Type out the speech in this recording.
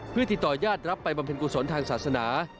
เพื่อติดต่อญาติรับไปบำเพ็ญกุศลทางศาสนา